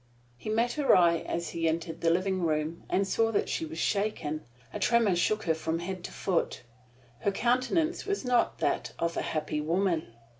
He met her eye as he entered the living room, and saw that she was shaken. A tremor shook her from head to foot. Her countenance was not that of a happy woman.